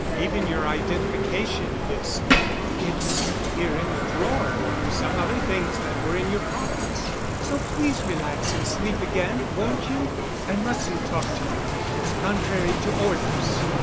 Even your identification disk. It's here in the drawer with some other things that were in your pockets, so please relax and sleep again, won't you? I mustn't talk to you. It's contrary to orders."